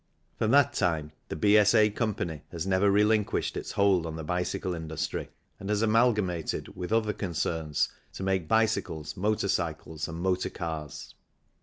From that time the B.S.A. Company has never relinquished its hold on the bicycle industry and has amalgamated with other concerns to make bicycles, motor cycles and motor cars.